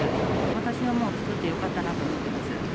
私は作ってよかったなと思ってます。